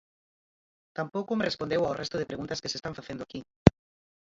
Tampouco me respondeu ao resto de preguntas que se están facendo aquí.